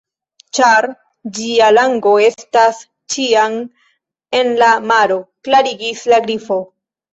"Ĉar ĝia lango estas ĉiam en la maro," klarigis la Grifo.